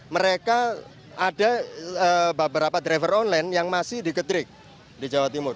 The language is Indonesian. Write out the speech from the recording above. mereka ada beberapa drivers online yang masih di kedrik di jawa timur